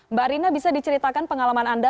mbak rina bisa diceritakan pengalaman anda